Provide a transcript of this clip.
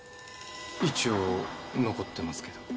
一応残ってますけど。